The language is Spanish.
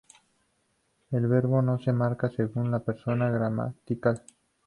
El verbo no se marca según persona gramatical.